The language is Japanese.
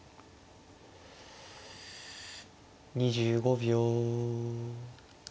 ２５秒。